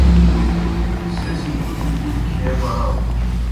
سہ سیْ بُٹیْ ٹِکیْ کھیے بڑاؤ۔